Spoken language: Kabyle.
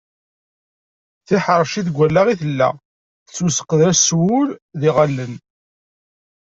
Tiḥerci deg wallaɣ i tella, tettwaseqdec s wul d yiɣallen.